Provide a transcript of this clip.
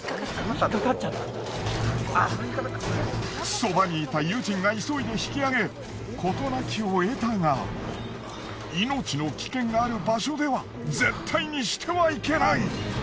そばにいた友人が急いで引き上げ事無きを得たが命の危険がある場所では絶対にしてはいけない。